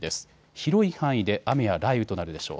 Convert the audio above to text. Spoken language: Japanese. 広い範囲で雨や雷雨となるでしょう。